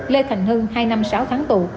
lê thành hưng hai năm sáu tháng tù